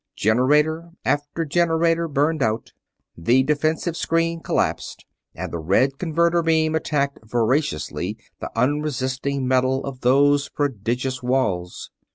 Generator after generator burned out, the defensive screen collapsed, and the red converter beam attacked voraciously the unresisting metal of those prodigious walls.